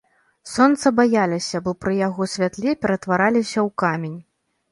Сонца баяліся, бо пры яго святле ператвараліся ў камень.